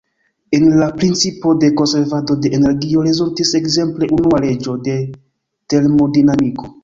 El la principo de konservado de energio rezultas ekzemple unua leĝo de termodinamiko.